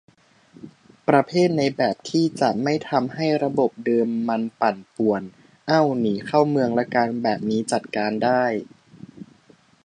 ประเภทในแบบที่จะไม่ทำให้ระบบเดิมมันปั่นป่วน เอ้า หนีเข้าเมือง ละกัน แบบนี้จัดการได้